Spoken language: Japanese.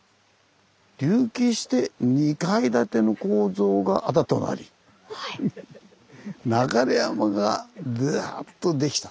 隆起して２階建ての構造があだとなり流れ山がダーッとできた。